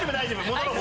戻ろう。